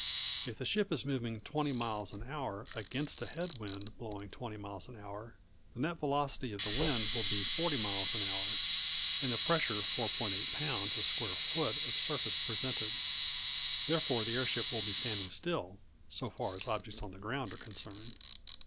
If the ship is moving 20 miles an hour against a head wind blowing 20 miles an hour, the net velocity of the wind will be 40 miles an hour, and the pressure 4.8 lbs. a square foot of surface presented. Therefore the airship will be standing still, so far as objects on the ground are concerned.